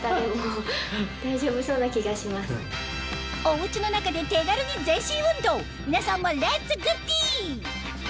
おうちの中で手軽に全身運動皆さんもレッツグッデイ！